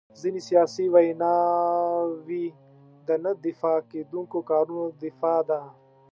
ځینې سیاسي ویناوي د نه دفاع کېدونکو کارونو دفاع ده.